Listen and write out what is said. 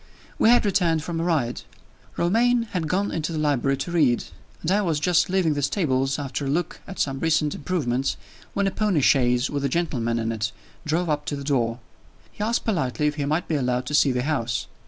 We had returned from a ride. Romayne had gone into the library to read; and I was just leaving the stables, after a look at some recent improvements, when a pony chaise with a gentleman in it drove up to the door. He asked politely if he might be allowed to see the house.